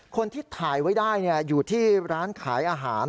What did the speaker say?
คนที่ถ่ายไว้ได้อยู่ที่ร้านขายอาหาร